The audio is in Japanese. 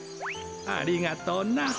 ありがとうな。